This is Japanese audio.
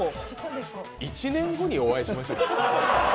１年後にお会いしましょうか。